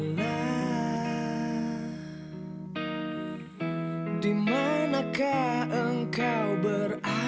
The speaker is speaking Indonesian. saya akan mengambilnya